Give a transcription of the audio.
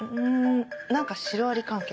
何かシロアリ関係。